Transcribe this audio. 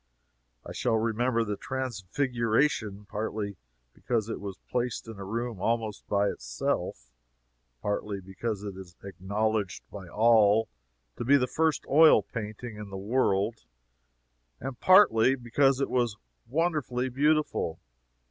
I shall remember the Transfiguration partly because it was placed in a room almost by itself; partly because it is acknowledged by all to be the first oil painting in the world; and partly because it was wonderfully beautiful.